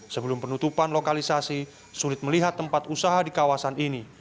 sebelum penutupan lokalisasi sulit melihat tempat usaha di kawasan ini